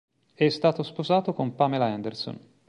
È stato sposato con Pamela Anderson.